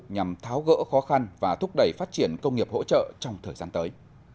nhằm tháo gỡ khó khăn và thúc đẩy phát triển công nghiệp hỗ trợ trong thời gian tới